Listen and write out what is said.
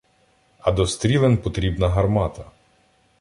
А до стрілен потрібна гармата.